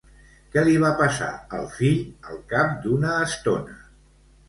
Què li va passar al fill al cap d'una estona?